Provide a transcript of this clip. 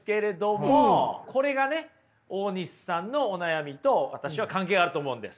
これがね大西さんのお悩みと私は関係あると思うんです。